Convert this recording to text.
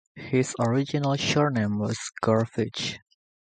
His original surname was Gurvitch.